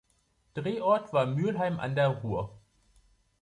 Drehort war Mülheim an der Ruhr.